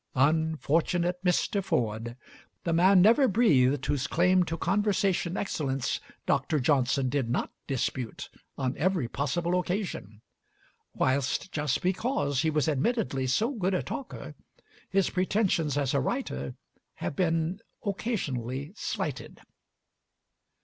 Unfortunate Mr. Ford! The man never breathed whose claim to conversation excellence Dr. Johnson did not dispute on every possible occasion; whilst, just because he was admittedly so good a talker, his pretensions as a writer have been occasionally slighted.